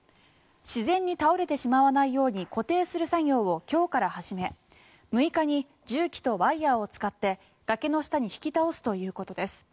自然に倒れてしまわないように固定する作業を今日から始め６日に重機とワイヤを使って崖の下に引き倒すということです。